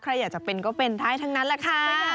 ใครอยากจะเป็นก็เป็นได้ทั้งนั้นแหละค่ะ